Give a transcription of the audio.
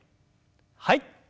はい。